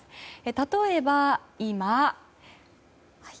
例えば、今。